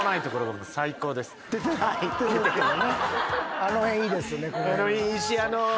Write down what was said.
あの辺いいですね。